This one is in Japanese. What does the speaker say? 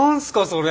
それ。